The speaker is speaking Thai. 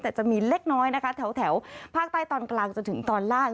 แต่จะมีเล็กน้อยนะคะแถวภาคใต้ตอนกลางจนถึงตอนล่าง